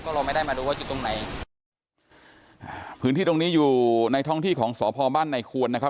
เราไม่ได้มาดูว่าอยู่ตรงไหนอ่าพื้นที่ตรงนี้อยู่ในท้องที่ของสพบ้านในควรนะครับ